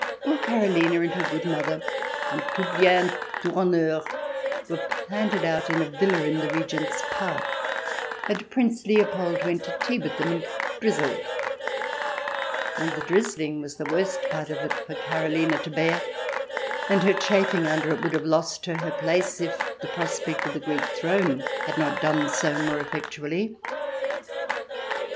Poor Karoline and her good mother, en tout bien tout honneur, were planted out in a villa in the Regent's Park, and Prince Leopold went to tea with them and " drizzled," and the " drizzling " was the worst part of it for Karoline to bear, and her chafing under it would have lost her her place if the prospect of the Greek Throne had not done so more effectually.